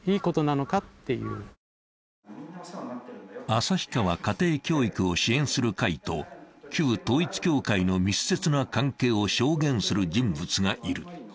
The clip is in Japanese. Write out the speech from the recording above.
旭川家庭教育を支援する会と旧統一教会の密接な関係を証言する人物がいる。